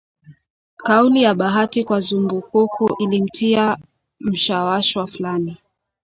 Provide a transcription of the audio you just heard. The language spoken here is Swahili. Kauli ya Bahati kwa Zumbukuku ilimtia mshawasha fulani,